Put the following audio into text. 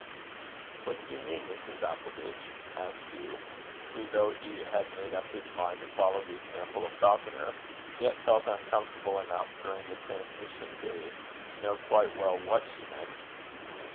"What do you mean, Mrs. Appleditch?" asked Hugh, who, though he had made up his mind to follow the example of Falconer, yet felt uncomfortable enough, during the transition period, to know quite well what she meant.